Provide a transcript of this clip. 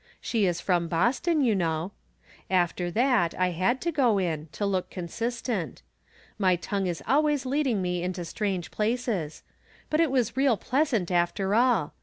She is from Boston, you know. After that I had to go in, to look consistent. My tongue is always leading me into strange places ; but it was real pleasant, after all.